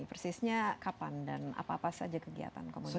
persisnya kapan dan apa apa saja kegiatan komunitas